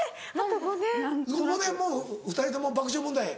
５年後２人とも爆笑問題